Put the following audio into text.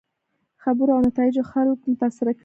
خبرو او نتایجو خلک متاثره کړي وو.